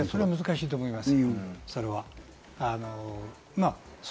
それは難しいと思います。